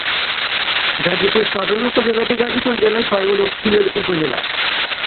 গাজীপুর সদর উপজেলাটি গাজীপুর জেলার সর্ব দক্ষিণের উপজেলা।